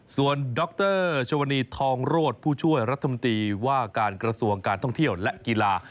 ส่วนดรชวนีทองโรธผู้ช่วยรัฐมนตรีว่าการกระทรวงการท่องเที่ยวและกีฬา